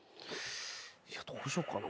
どうしようかな？